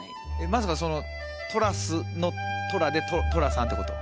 まさかそのトラスのトラで寅さんってこと？